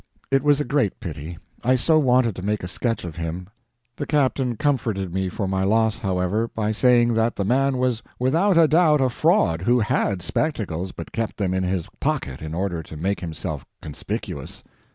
It was a great pity. I so wanted to make a sketch of him. The captain comforted me for my loss, however, by saying that the man was without any doubt a fraud who had spectacles, but kept them in his pocket in order to make himself conspicuous.